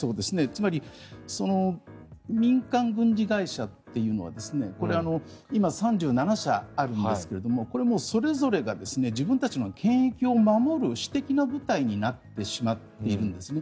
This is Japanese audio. つまり、民間軍事会社というのはこれは今、３７社あるんですがこれ、それぞれが自分たちの権益を守る私的な部隊になってしまっているんですね。